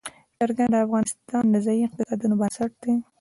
چرګان د افغانستان د ځایي اقتصادونو بنسټ دی.